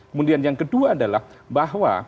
kemudian yang kedua adalah bahwa